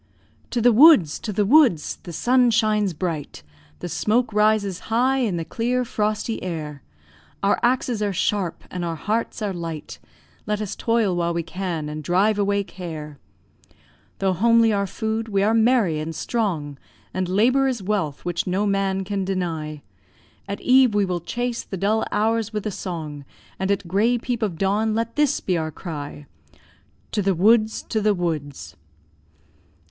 To the woods! to the woods! The sun shines bright, The smoke rises high in the clear frosty air; Our axes are sharp, and our hearts are light, Let us toil while we can and drive away care. Though homely our food, we are merry and strong, And labour is wealth, which no man can deny; At eve we will chase the dull hours with a song, And at grey peep of dawn let this be our cry, To the woods! to the woods!